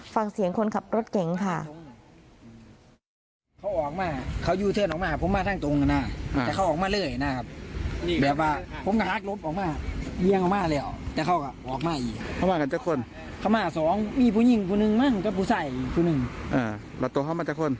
ฟังเสียงคนขับรถเก๋งค่ะ